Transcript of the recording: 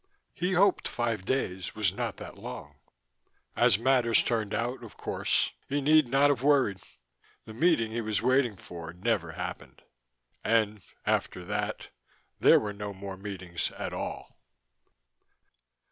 He hoped five days was not too long. As matters turned out, of course, he need not have worried. The meeting he was waiting for never happened. And, after that, there were no more meetings at all.